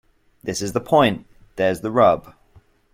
This is the point. There's the rub.